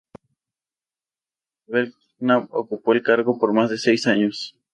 Belknap ocupó el cargo por más de seis años.